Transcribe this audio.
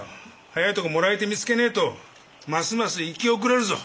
早いとこもらい手見つけねえとますます行き遅れるぞ。